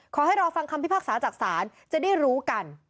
รอฟังคำพิพากษาจากศาลจะได้รู้กัน